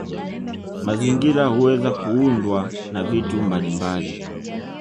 Mazingira huweza kuundwa na vitu mbalimbali